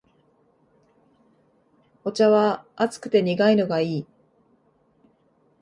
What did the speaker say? お茶は熱くて苦いのがいい